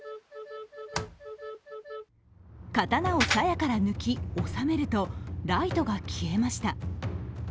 刀を鞘から抜き、おさめるとライトが消えました。